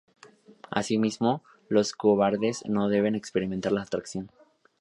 Así mismo, los cobardes no deben experimentar la atracción.